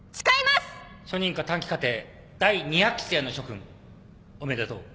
初任科短期課程第２００期生の諸君おめでとう。